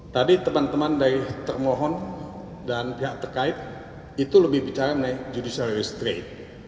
tadi teman teman dari termohon dan pihak terkait itu lebih bicara mengenai judicial restrate